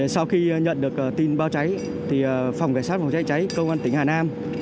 sau khi nhận được tin bao cháy thì phòng cảnh sát phòng cháy chữa cháy công an tỉnh hà nam